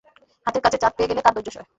হাতের কাছে চাঁদ পেয়ে গেলে কার ধৈর্য্য সয়?